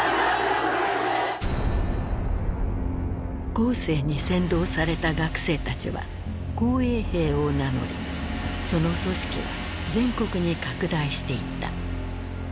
江青に扇動された学生たちは「紅衛兵」を名乗りその組織は全国に拡大していった。